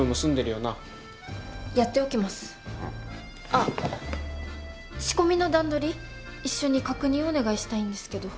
あっ仕込みの段取り一緒に確認をお願いしたいんですけど。